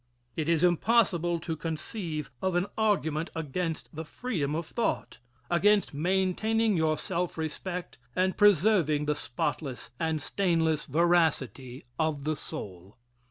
It is impossible to conceive of an argument against the freedom of thought against maintaining your self respect and preserving the spotless and stainless veracity of the soul.